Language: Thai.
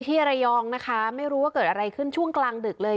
ที่ระยองนะคะไม่รู้ว่าเกิดอะไรขึ้นช่วงกลางดึกเลย